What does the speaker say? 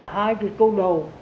hai cái câu đầu